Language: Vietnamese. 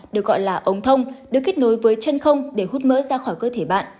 được gọi là ống thông được kết nối với chân không để hút mỡ ra khỏi cơ thể bạn